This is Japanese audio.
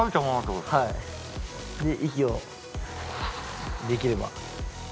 で、息をできれば。